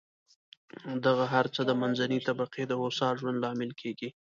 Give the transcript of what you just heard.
دغه هر څه د منځنۍ طبقې د هوسا ژوند لامل کېږي.